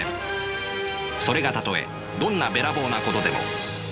それがたとえどんなべらぼうなことでも。